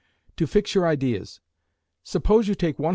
To fix your ideas: suppose you take 100 lbs.